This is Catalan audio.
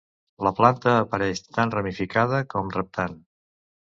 La planta apareix tant ramificada com reptant.